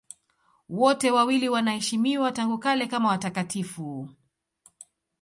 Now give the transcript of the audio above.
Wote wawili wanaheshimiwa tangu kale kama watakatifu.